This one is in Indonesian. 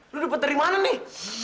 lo dapet dari mana nih